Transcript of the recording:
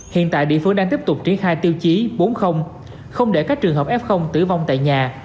hiện tại địa phương đang tiếp tục triển khai tiêu chí bốn không để các trường hợp f tử vong tại nhà